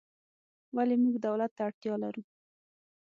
ولې موږ دولت ته اړتیا لرو؟